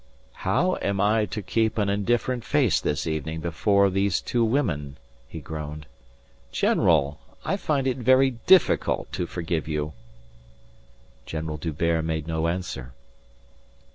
"How am I to keep an indifferent face this evening before those two women?" he groaned. "General! I find it very difficult to forgive you." General D'Hubert made no answer.